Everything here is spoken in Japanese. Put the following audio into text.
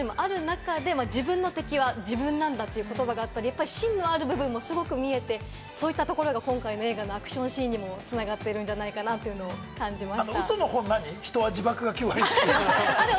でも、すごく天然でフワッとしたイメージもある中で、自分の敵は自分なんだという言葉があったり、心のある部分もすごく見えて、そういったところが今回の映画のアクションシーンにも繋がっているんじゃないかということも感じました。